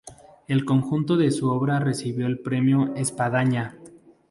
Por el conjunto de su obra recibió el Premio Espadaña.